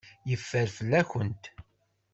Yeffer fell-akent.